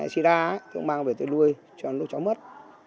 suy ra tôi cũng mang về tôi nuôi cho lúc chó mất